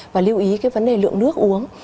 và lưu ý cái vấn đề lượng nước uống